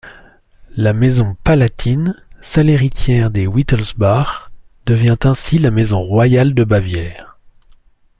La maison palatine, seule héritière des Wittelsbach, devint ainsi la maison royale de Bavière.